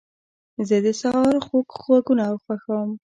زه د سهار خوږ غږونه خوښوم.